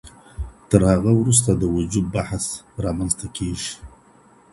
تر هغه وروسته د وجوب بحث رامنځته کيږي.